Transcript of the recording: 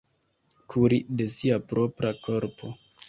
Kuri de sia propra korpo.